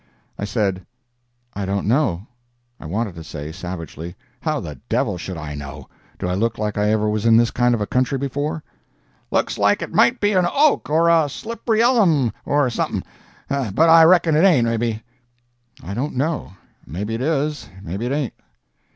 I said: "I don't know. "I wanted to say, savagely, "How the devil should I know? Do I look like I ever was in this kind of a country before?" "Looks like it might be an oak, or a slippry ellum, or something, but I reckon it ain't, maybe?" "I don't know. Maybe it is, maybe it ain't."